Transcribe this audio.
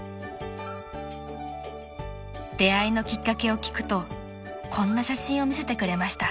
［出会いのきっかけを聞くとこんな写真を見せてくれました］